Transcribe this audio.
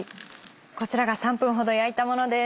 こちらが３分ほど焼いたものです。